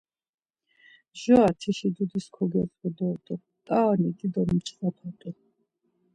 Mjora tişi dudis kogyogzu dort̆un, t̆aroni dido mçxvapa t̆u.